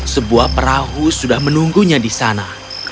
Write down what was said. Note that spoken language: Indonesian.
sebuah perahu sudah menunggunya di sana